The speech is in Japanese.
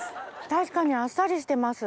確かにあっさりしてます。